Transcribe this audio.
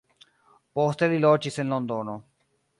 Poste li loĝis en Londono.